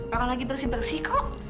kapan lagi bersih bersih kok